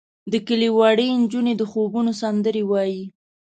د کلي وړې نجونې د خوبونو سندرې وایې.